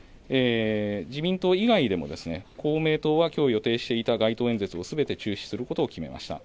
自民党以外でも公明党はきょう予定していた街頭演説をすべて中止することを決めました。